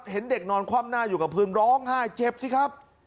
เห็นเด็กนอนคว่ำหน้าอยู่กับพื้นร้องไห้เจ็บสิครับ